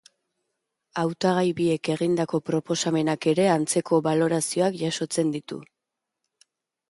Hautagai biek egindako proposamenak ere antzeko balorazioak jasotzen ditu.